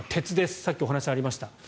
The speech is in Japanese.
さっきお話がありました。